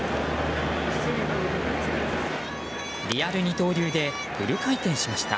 リアル二刀流でフル回転しました。